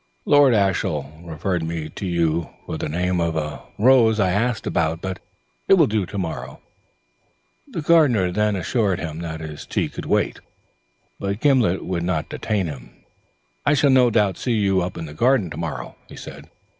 Lord Ashiel referred me to you for the name of a rose I asked about, but it will do to morrow." The gardener assured him that his tea could wait, but Gimblet would not detain him. "I shall no doubt see you up in the garden to morrow," he said.